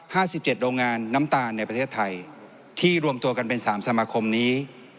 สิบเจ็ดโรงงานน้ำตาลในประเทศไทยที่รวมตัวกันเป็นสามสมาคมนี้